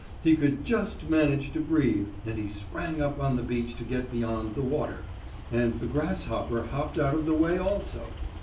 He could just manage to breathe, and he sprang up on the beach to get beyond the water, and the grasshopper hopped out of the way also.